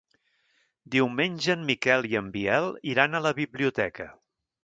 Diumenge en Miquel i en Biel iran a la biblioteca.